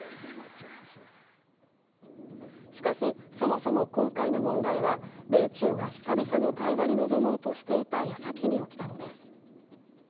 しかし、そもそも今回の問題は米中が久々の対話に臨もうとしていたやさきに起きたのです。